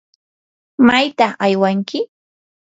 ¿mayta aywanki?